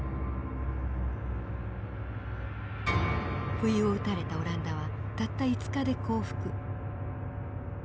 不意を打たれたオランダはたった５日で降伏。